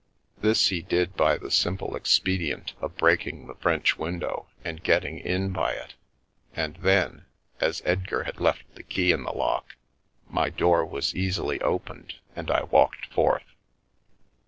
This he did by the simple expedient of breaking the French window and getting in by it, and then, as Edgar had left the key in the lock, my door was easily opened and I walked forth.